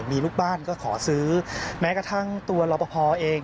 มีลูกบ้านก็ขอซื้อแม้กระทั่งตัวรอปภเอง